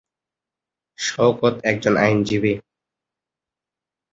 শওকত একজন আইনজীবী।